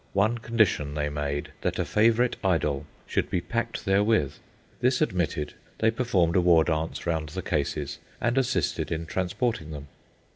One condition they made: that a favourite idol should be packed therewith; this admitted, they performed a war dance round the cases, and assisted in transporting them.